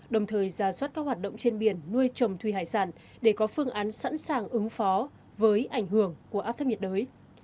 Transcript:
đồng thời giả soát các hoạt động trên biển nuôi trồng thuy hải sản để có phương án sẵn sàng ứng phó với ảnh hưởng của áp thấp nhiệt đới